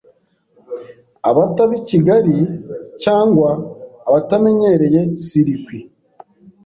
abataba I Kigali cyangwa abatamenyereye sirikwi